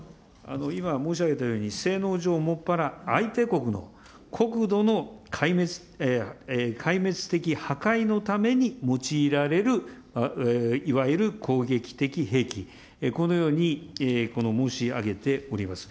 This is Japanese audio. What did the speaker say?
今申し上げたように、性能上もっぱら、相手国の国土の壊滅的破壊のために用いられる、いわゆる攻撃的兵器、このように申し上げております。